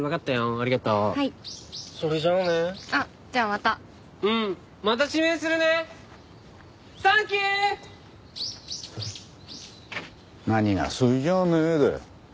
何が「それじゃあね」だよ。